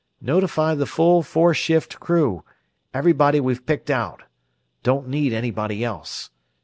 Notify the full four shift crew everybody we've picked out. Don't need anybody else.